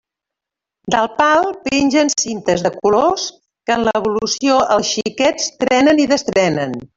Del pal pengen cintes de colors que en l'evolució els xiquets trenen i destrenen.